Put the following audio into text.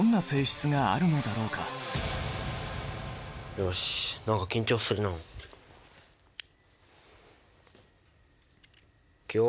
よし何か緊張するなあ。